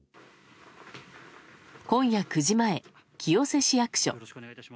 今夜９時前、清瀬市役所。